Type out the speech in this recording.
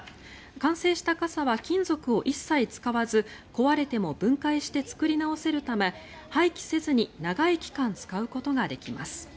完成した傘は金属を一切使わず壊れても分解して作り直せるため廃棄せずに長い期間使うことができます。